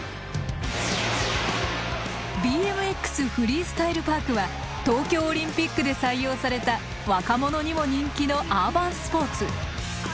フリースタイルパークは東京オリンピックで採用された若者にも人気のアーバンスポーツ。